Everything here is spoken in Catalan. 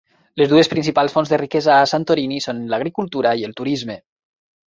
Les dues principals fonts de riquesa a Santorini són l'agricultura i el turisme.